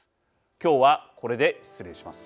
今日はこれで失礼します。